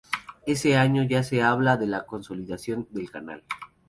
Ese año ya se habla de la consolidación del canal.